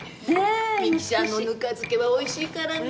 ミキちゃんのぬか漬けはおいしいからねえ。